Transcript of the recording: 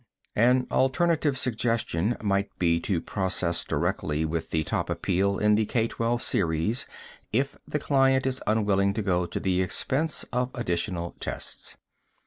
An alternative suggestion might be to proceed directly with the top appeal in the K12 series, if the client is unwilling to go to the expense of additional tests.